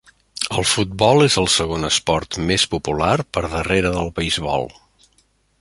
El futbol és el segon esport més popular per darrere del beisbol.